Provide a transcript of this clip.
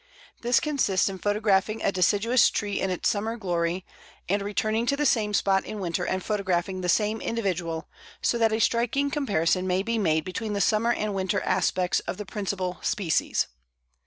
This consists in photographing a deciduous tree in its summer glory, and returning to the same spot in winter and photographing the same individual, so that a striking comparison may be made between the summer and winter aspects of the principal species.